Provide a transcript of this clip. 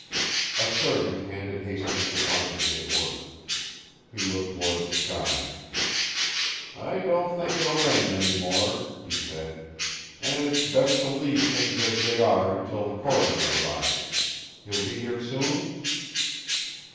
A servant handed Hastings the blanket he had ordered. He looked toward the sky. "I don't think it will rain any more," he said. "And it's best to leave things as they are until the coroner arrives. He'll be here soon?"